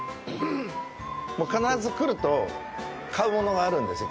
必ず来ると、買うものがあるんですよ。